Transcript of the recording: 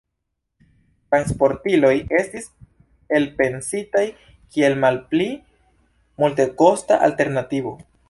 Transportiloj estis elpensitaj kiel malpli multekosta alternativo.